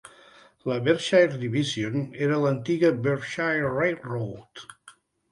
La Berkshire Division era l'antiga Berkshire Railroad.